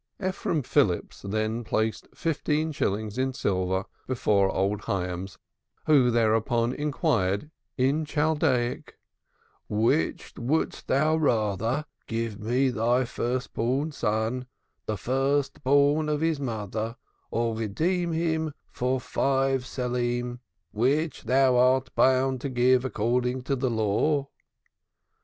'" Ephraim Phillips then placed fifteen shillings in silver before old Hyams, who thereupon inquired in Chaldaic: "Which wouldst thou rather give me thy first born son, the first born of his mother, or redeem him for five selaim, which thou art bound to give according to the Law?"